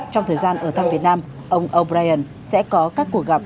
trong thời gian ở thăm việt nam ông o brien sẽ có các cuộc gặp